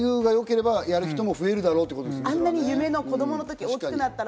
待遇が良ければ、やる人も増えるだろうということですね。